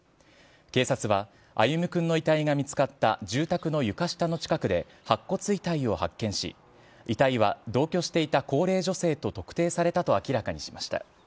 警察は歩夢くんの遺体が見つかった住宅の床下の近くで、白骨遺体を発見し、遺体は同居していた高齢女性と特定されたと明らかにしました。